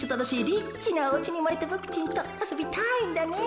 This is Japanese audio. リッチなおうちにうまれたボクちんとあそびたいんだね。